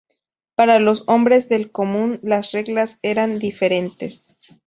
Para los hombres del común, las reglas eran diferentes.